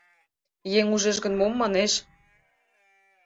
Еҥ ужеш гын, мом манеш?